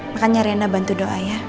makanya riana bantu doa ya